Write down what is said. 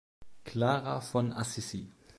Klara von Assisi.